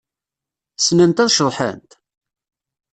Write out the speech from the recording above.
Ssnent ad ceḍḥent?